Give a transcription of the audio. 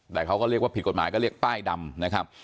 แต่เขาก็เรียกว่าผิดกฎหมายก็เรียกป้ายดำนะครับ